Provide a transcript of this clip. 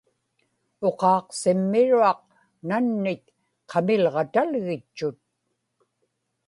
uqaaqsimmiruaq nannit qamilġatalgitchut